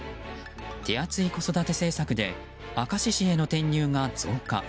手厚い子育て政策で明石市への転入が増加。